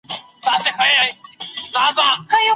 د امنیت ساتل د ټولو دنده ده.